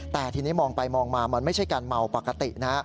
แต่ทีนี้มองไปมองมามันไม่ใช่การเมาปกตินะ